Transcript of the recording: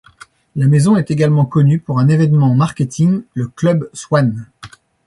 La maison est également connue pour un événement marketing, le club Swann.